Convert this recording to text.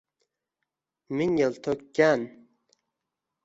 Ming yil to’kkan